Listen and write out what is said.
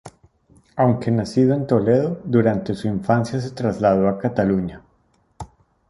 Aunque nacido en Toledo, durante su infancia se trasladó a Cataluña.